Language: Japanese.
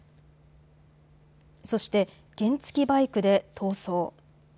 そして原付きバイクで逃走。